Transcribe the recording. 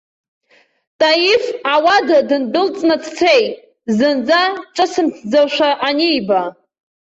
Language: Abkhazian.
Таиф ауада дындәылҵны дцеит, зынӡа ҿысымҭӡошәа аниба.